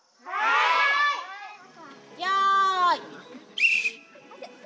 よい。